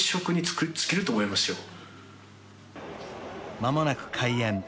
［間もなく開演］